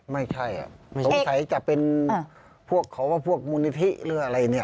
ไม่ใช่สงสัยจะเป็นพวกเขาว่าพวกมูลนิธิหรืออะไรเนี่ย